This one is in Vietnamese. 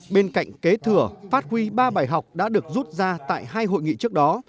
bên cạnh kế thừa phát huy ba bài học đã được rút ra tại hai hội nghị trước đó